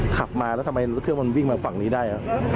ขับมาแล้วทำไมรถเครื่องมันวิ่งมาฝั่งนี้ได้